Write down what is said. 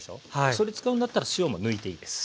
それ使うんだったら塩も抜いていいです。